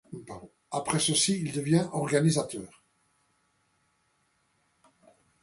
Après ceci, il devient organisateur.